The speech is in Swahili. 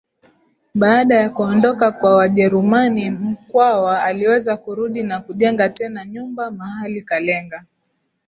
Baada ya kuondoka kwa Wajerumani Mkwawa aliweza kurudi na kujenga tena nyumba mahali Kalenga